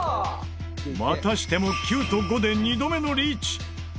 またしても９と５で２度目のリーチ！